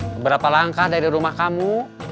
beberapa langkah dari rumah kamu